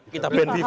kita ban fifa